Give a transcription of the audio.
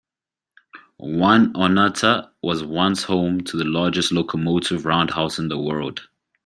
Oneonta was once home to the largest locomotive roundhouse in the world.